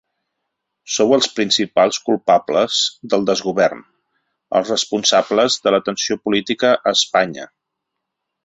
Sou els principals culpables del desgovern, els responsables de la tensió política a Espanya.